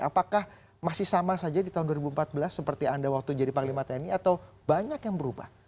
apakah masih sama saja di tahun dua ribu empat belas seperti anda waktu jadi panglima tni atau banyak yang berubah